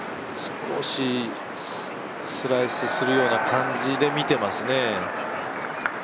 少しスライスするような感じで見てますね。